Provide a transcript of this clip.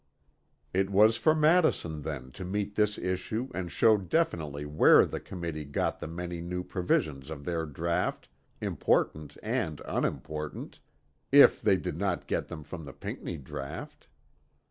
It was for Madison then to meet this issue and show definitely where the Committee got the many new provisions of their draught, important and unimportant, if they did not get them from the Pinckney draught.